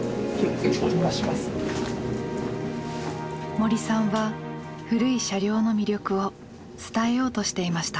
森さんは古い車両の魅力を伝えようとしていました。